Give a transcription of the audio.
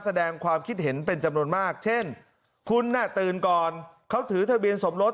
แสดงความคิดเห็นเป็นจำนวนมากเช่นคุณน่ะตื่นก่อนเขาถือทะเบียนสมรส